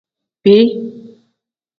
Bii.